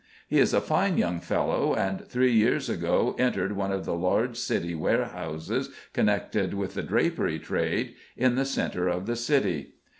He is a fine young fellow, and three years ago entered one of the large City warehouses connected with the drapery trade, in the centre of the City.